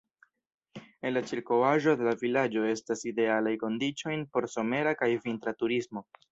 En la ĉirkaŭaĵo de la vilaĝo estas idealaj kondiĉojn por somera kaj vintra turismo.